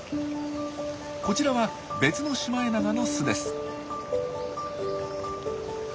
こちらは別のシマエナガの巣です。